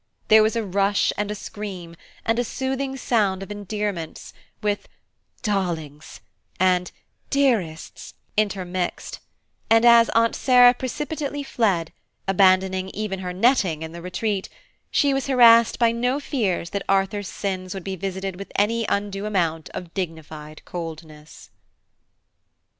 There was a rush and a scream, and a soothing sound of endearments, with "darlings" and "dearests" intermixed; and as Aunt Sarah precipitately fled, abandoning even her netting in the retreat, she was harassed by no fears that Arthur's sins would be visited with any undue amount of dignified coldness.